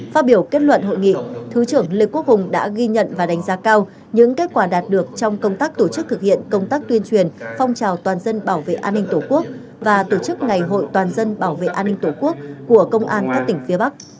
phát biểu kết luận hội nghị thứ trưởng lê quốc hùng đã ghi nhận và đánh giá cao những kết quả đạt được trong công tác tổ chức thực hiện công tác tuyên truyền phong trào toàn dân bảo vệ an ninh tổ quốc và tổ chức ngày hội toàn dân bảo vệ an ninh tổ quốc của công an các tỉnh phía bắc